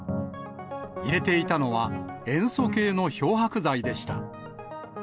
入れていたのは、塩素系の漂白剤でした。